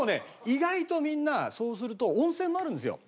意外とみんなそうすると温泉もあるんですよ。